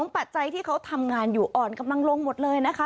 ปัจจัยที่เขาทำงานอยู่อ่อนกำลังลงหมดเลยนะคะ